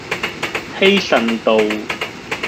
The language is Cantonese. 希慎道